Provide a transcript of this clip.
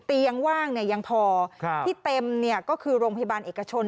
เตียงว่างยังพอที่เต็มก็คือโรงพยาบาลเอกชน